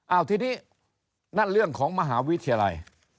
เอาทีนี้นั่นเรื่องของมหาวิทยาลัย